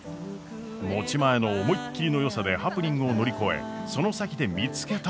持ち前の思いっきりのよさでハプニングを乗り越えその先で見つけたもの。